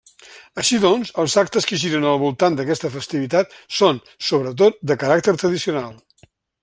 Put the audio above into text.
Així doncs, els actes que giren al voltant d'aquesta festivitat són sobretot de caràcter tradicional.